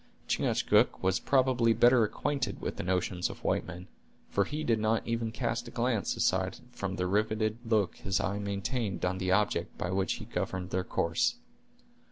Chingachgook was probably better acquainted with the notions of white men, for he did not even cast a glance aside from the riveted look his eye maintained on the object by which he governed their course.